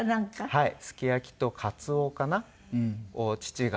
はい。